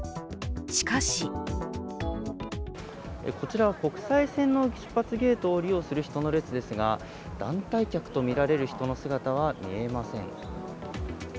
しかしこちら、国際線の出発ゲートを利用する場所ですが団体客とみられる人の姿は見えません。